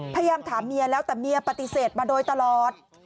พยายามถามเมียแล้วแต่เมียปฏิเสธมาโดยตลอด